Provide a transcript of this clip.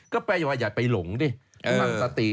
ก็แปลว่าอย่าไปหลงสติ